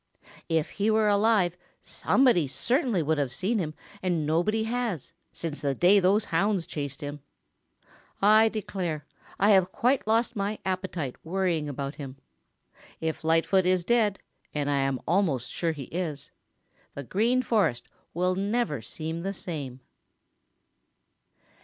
"If he were alive, somebody certainly would have seen him and nobody has, since the day those hounds chased him. I declare, I have quite lost my appetite worrying about him. If Lightfoot is dead, and I am almost sure he is, the Green Forest will never seem the same."